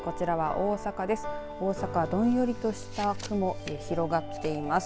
大阪どんよりとした雲も広がってきています。